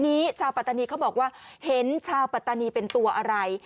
ชาวปัตตานีเขาบอกว่าเห็นชาวปัตตานีเป็นตัวอะไร